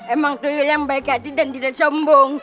emang tujuan yang baik hati dan tidak sombong